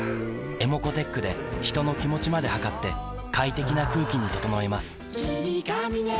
ｅｍｏｃｏーｔｅｃｈで人の気持ちまで測って快適な空気に整えます